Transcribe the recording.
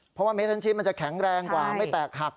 เพราะว่าเม็ดชั้นชิ้นมันจะแข็งแรงกว่าไม่แตกหัก